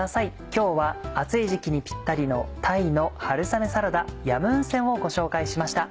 今日は暑い時期にピッタリのタイの春雨サラダ「ヤムウンセン」をご紹介しました。